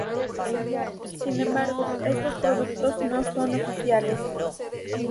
Sin embargo, estos productos no son oficiales.